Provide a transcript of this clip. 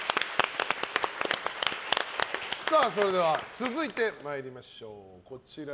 続いて参りましょう。